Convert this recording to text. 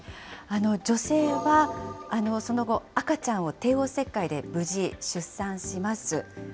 女性はその後、赤ちゃんを帝王切開で無事出産します。